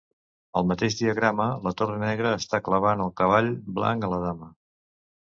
Al mateix diagrama, la torre negra està clavant el cavall blanc a la dama.